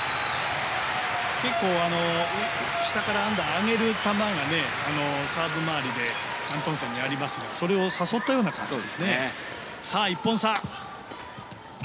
結構、アンダーから上げる球がサーブ周りでアントンセンもやりますがそれを誘ったような感じですね。